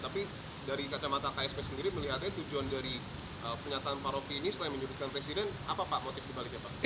tapi dari kacamata ksp sendiri melihatnya tujuan dari pernyataan pak roky ini selain menyebutkan presiden apa pak motif dibaliknya pak